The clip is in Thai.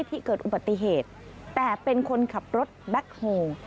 ที่เกิดอุบัติเหตุแต่เป็นคนขับรถแบ็คโฮ